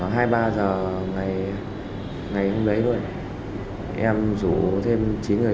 khoảng hai ba giờ ngày hôm đấy thôi